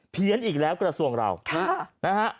เพี้ยนอีกแล้วกับกระทรวงศาสตร์เรา